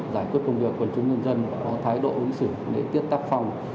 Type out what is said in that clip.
giải quyết công việc của chúng dân dân có thái độ ứng xử để tiếp tác phòng